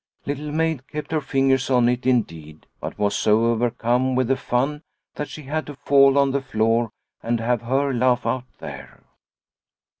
Little Maid kept her fingers on it indeed, but was so overcome with the fun that she had to fall on the floor and have her laugh out there